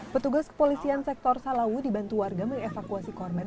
petugas kepolisian sektor salawu dibantu warga mengevakuasi korban